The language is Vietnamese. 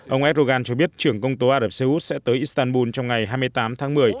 ông erdogan cho biết trưởng công tố ả rập xê út sẽ tới istanbul trong ngày hai mươi tám tháng một mươi